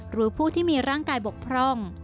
หรือผู้ที่มีร่างกายบกพร่อง